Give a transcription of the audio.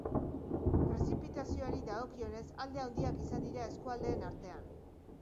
Prezipitazioari dagokionez, alde handiak izan dira eskualdeen artean.